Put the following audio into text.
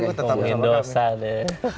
ini tetap di ruang ruang kami